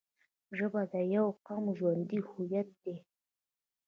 ژبه د یوه قوم ژوندی هویت دی